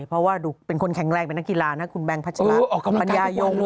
เพราะว่าดูเป็นคนแข็งแรงเป็นนักกีฬานะคุณแบงคัชระปัญญายง